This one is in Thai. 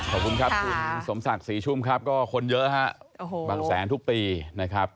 ครับขอบคุณครับคุณสมศักดิ์ศรีชุมครับครูบวายร้อนนี้ก็คนเยอะครับบางแสนทุกปีนะครับ